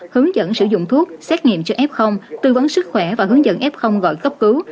hướng dẫn sử dụng thuốc xét nghiệm cho f tư vấn sức khỏe và hướng dẫn f gọi cấp cứu